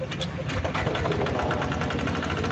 আমি যখন সুযোগ পেতাম বাবার ম্যাচ কিংবা অনুশীলন দেখতে চলে যেতাম।